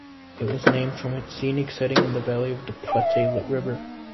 It was named from its scenic setting in the valley of the Platte River.